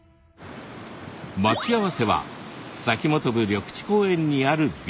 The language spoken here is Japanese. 待ち合わせは崎本部緑地公園にあるビーチ。